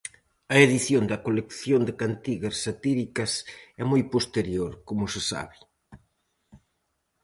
A edición da colección de cantigas satíricas é moi posterior, como se sabe.